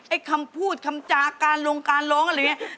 คำพูดคำจาการลงการร้องอะไรอย่างนี้